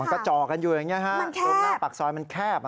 ก็จ่อกันอยู่อย่างนี้ฮะตรงหน้าปากซอยมันแคบ